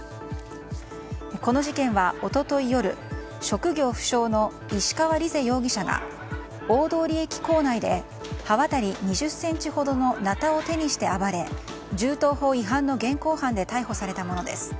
この事件は一昨日夜、職業不詳の石川莉世容疑者が大通駅構内で刃渡り２０ｃｍほどのなたを手にして暴れ銃刀法違反の現行犯で逮捕されたものです。